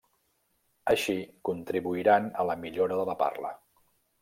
Així contribuiran a la millora de la parla.